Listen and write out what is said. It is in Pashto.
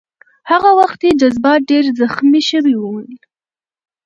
هغه وخت یې جذبات ډېر زخمي شوي ول.